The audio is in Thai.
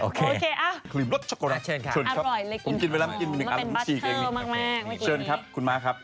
โอเคอร่อยเลยกินมันเป็นบัตเตอร์มากเชิญครับคุณม้าครับ